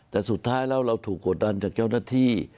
แต่สุดท้ายแล้วเราถูกกดดันจากเจ้าหน้าที่